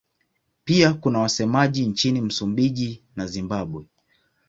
Pia kuna wasemaji nchini Msumbiji na Zimbabwe.